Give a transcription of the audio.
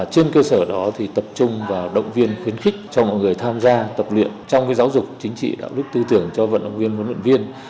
trên cơ sở đó thì tập trung vào động viên khuyến khích cho mọi người tham gia tập luyện trong giáo dục chính trị đạo đức tư tưởng cho vận động viên huấn luyện viên